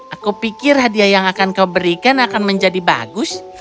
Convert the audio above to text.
aku pikir hadiah yang akan kau berikan akan menjadi bagus